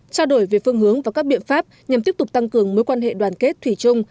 trao đổi về phương hướng và các biện pháp nhằm tiếp tục tăng cường mối quan hệ đoàn kết thủy chung